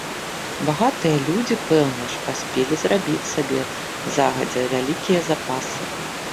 Багатыя людзі, пэўна ж, паспелі зрабіць сабе, загадзя, вялікія запасы.